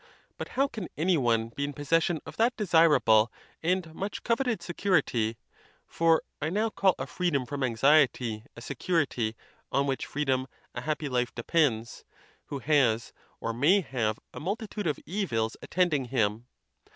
But how can any one be in possession of that desirable and much coveted security (for I now call a freedom from anxiety a security, on which freedom a happy life depends) who has, or may have, a multitude of evils attending him?